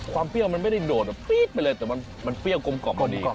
ความเปรี้ยวมันไม่ได้โดดไปเลยแต่มันเปรี้ยวกลมกล่อมมาดี